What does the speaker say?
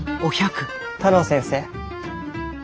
太郎先生。